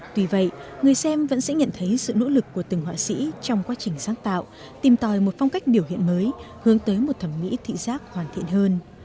tuy vậy người xem vẫn sẽ nhận thấy sự nỗ lực của từng họa sĩ trong quá trình sáng tạo tìm tòi một phong cách biểu hiện mới hướng tới một thẩm mỹ thị giác hoàn thiện hơn